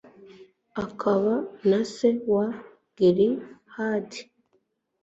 akaba na se wa gilihadi